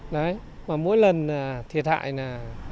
đấy và mỗi lần thiệt hại là